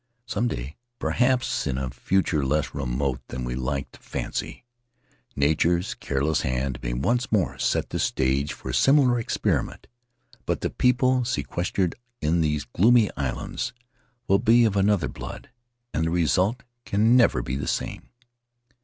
Some day — perhaps in a future less remote than we like to fancy — nature's careless hand may once more set the stage for a similar experiment, but the people sequestered in those gloomy islands will be of another blood, and the result can never be the same.